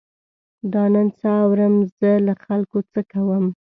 دا نن څه اورم، زه له خلکو څه کوم.